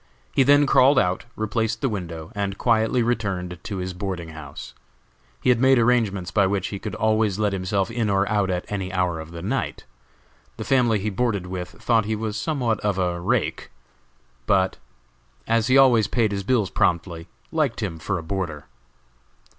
He then crawled out, replaced the window, and quietly returned to his boarding house. He had made arrangements by which he could always let himself in or out at any hour of the night. The family he boarded with thought he was somewhat of a "rake," but as he always paid his bills promptly, liked him for a boarder.